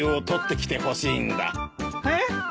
えっ！？